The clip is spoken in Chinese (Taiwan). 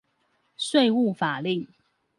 稅務法令